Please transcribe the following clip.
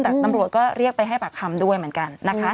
แต่ตำรวจก็เรียกไปให้ปากคำด้วยเหมือนกันนะคะ